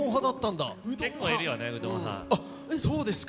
あっそうですか。